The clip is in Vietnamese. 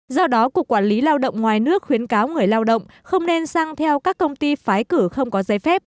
do đó cục quản lý lao động ngoài nước khuyến cáo người lao động không nên sang theo các công ty phái cử không có giấy phép